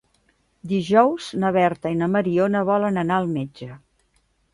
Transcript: Dijous na Berta i na Mariona volen anar al metge.